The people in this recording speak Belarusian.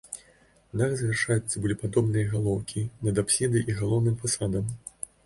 Дах завяршаюць цыбулепадобныя галоўкі над апсідай і галоўным фасадам.